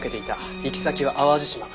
行き先は淡路島。